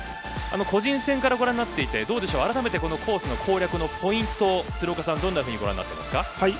個人戦からご覧になっていてどうでしょう、改めてこのコース攻略のポイントは鶴岡さん、どうご覧になりますか。